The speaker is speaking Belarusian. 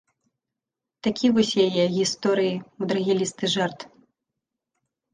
Такі вось яе, гісторыі, мудрагелісты жарт.